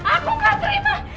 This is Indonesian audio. aku gak terima